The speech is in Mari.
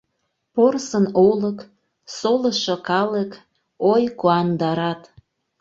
Порсын олык, Солышо калык, — Ой, куандарат!..